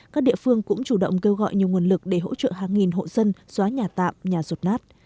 các địa phương cũng chủ động kêu gọi nhiều nguồn lực để hỗ trợ hàng nghìn hộ dân xóa nhà tạm nhà rột nát